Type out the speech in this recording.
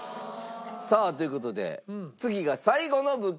さあという事で次が最後の物件でございます。